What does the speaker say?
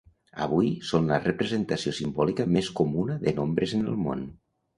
Avui són la representació simbòlica més comuna de nombres en el món.